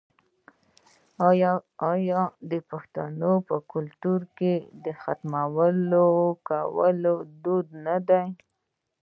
آیا د پښتنو په کلتور کې د ختمونو کول دود نه دی؟